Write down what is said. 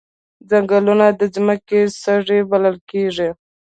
ځنګلونه د ځمکې سږي بلل کیږي